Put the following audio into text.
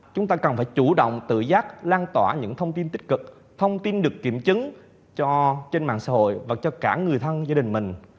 chúng ta cần phải chủ động tự giác lan tỏa những thông tin tích cực thông tin được kiểm chứng trên mạng xã hội và cho cả người thân gia đình mình